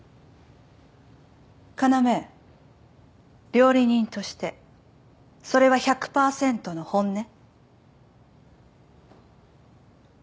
要料理人としてそれは１００％の本音？